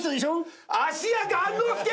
芦屋雁之助。